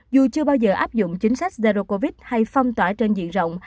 dù chưa bao giờ áp dụng chính sách zero covid hay phong tỏa trên diện rộng